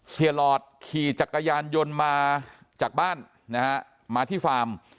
หลอดขี่จักรยานยนต์มาจากบ้านนะฮะมาที่ฟาร์ม